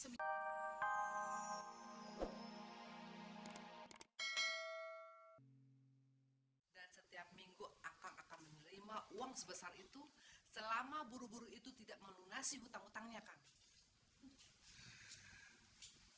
tidak melunasi hutang hutangnya kan